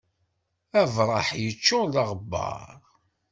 Abraḥ yeččur d aɣebbar.